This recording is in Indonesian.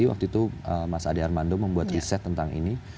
waktu itu mas ade armando membuat riset tentang ini